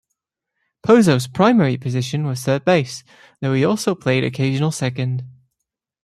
Pozo's primary position was third base, though he also played occasional second.